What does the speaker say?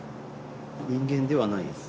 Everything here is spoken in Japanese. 人間ではないです。